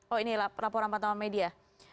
oh ini laporan pertama media